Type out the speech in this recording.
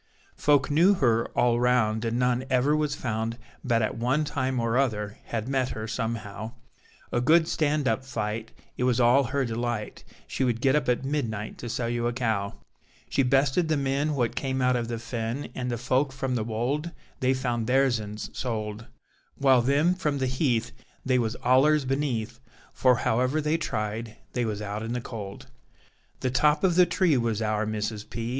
Folk knew her all round and none ever was found but at one time or other had met her somehow, A good stand up fight it was all her delight: she would get up at midnight to sell you a cow; She bested the men what came out of the Fen, and the folk from the Wold they found theirsens sold, While them from the Heath they was allers beneath; for however they tried they was out in the cold. The top of the tree was our Mrs. P.